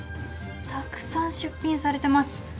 たくさん出品されてます。